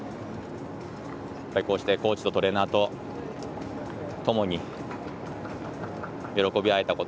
やっぱりこうしてコーチとトレーナーとともに喜び合えたこと。